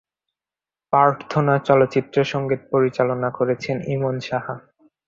প্রার্থনা চলচ্চিত্রের সঙ্গীত পরিচালনা করেছেন ইমন সাহা।